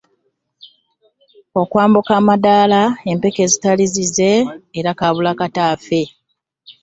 Okwambuka amadaala empeke ezitaali zize era kaabula kata afe.